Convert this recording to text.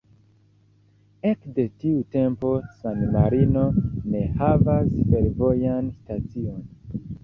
Ekde tiu tempo San-Marino ne havas fervojan stacion.